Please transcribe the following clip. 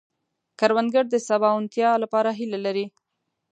کروندګر د سباوونتیا لپاره هيله لري